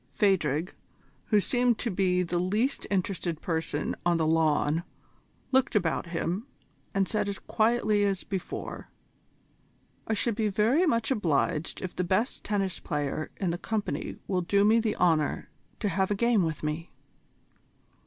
Phadrig, who seemed to be the least interested person on the lawn, looked about him, and said as quietly as before: "I should be very much obliged if the best tennis player in the company will do me the honour to have a game with me."